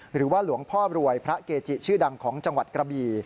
หรือว่าหลวงพ่อรวยพระเกจิชื่อดังของจังหวัดกระบี